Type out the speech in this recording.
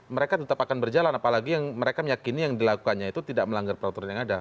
mereka meyakini yang dilakukannya itu tidak melanggar peraturan yang ada